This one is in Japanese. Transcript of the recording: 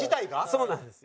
そうなんです。